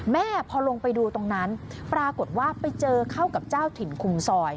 แม่พอลงไปดูตรงนั้นปรากฏว่าไปเจอเข้ากับเจ้าถิ่นคุมซอย